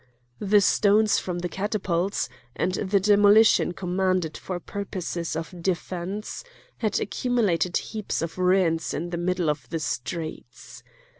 The stones from the catapults, and the demolitions commanded for purposes of defence, had accumulated heaps of ruins in the middle of the streets.